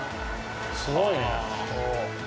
すごいね。